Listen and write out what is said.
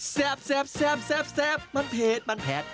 แซ่บแซ่บแซ่บแซ่บมันเผ็ดมันแพด